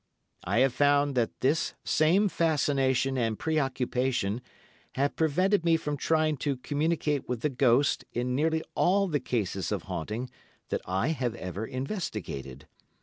And I have found that this same fascination and preoccupation have prevented me from trying to communicate with the ghost in nearly all the cases of haunting that I have ever investigated.